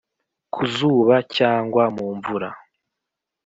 ku zuba cyangwa mu mvura